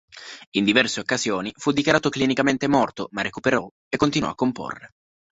In diverse occasioni fu dichiarato clinicamente morto, ma recuperò e continuò a comporre.